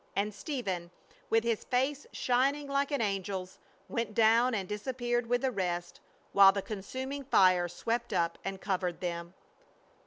And Stephen, with his face shining like an angel's, went down and disappeared with the rest, while the consuming fire swept up and covered them.